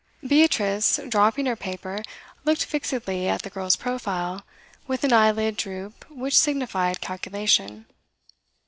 Beatrice, dropping her paper, looked fixedly at the girl's profile, with an eyelid droop which signified calculation.